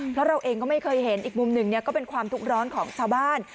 เพราะเราเองก็ไม่เคยเห็นอีกมุมหนึ่งก็เป็นความทุกข์ร้อนของชาวบ้าน